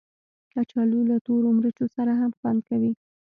کچالو له تورو مرچو سره هم خوند کوي